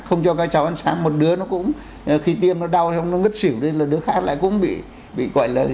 không cho các cháu ăn sáng